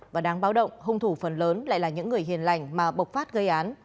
và đáng báo động hung thủ phần lớn lại là những người hiền lành mà bộc phát gây án